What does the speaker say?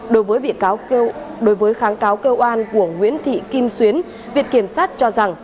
đối với kháng cáo cơ quan của nguyễn thị kim xuyến viện kiểm sát cho rằng